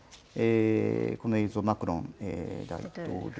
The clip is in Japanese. この映像、マクロン大統領。